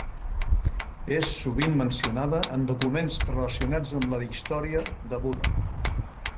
És sovint mencionada en documents relacionats amb la història de Buda.